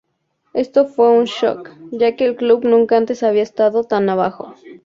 Esto fue un shock, ya que el club nunca antes había estado tan abajo.